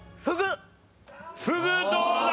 フグどうだ？